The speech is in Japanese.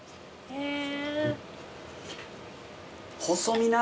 へえ。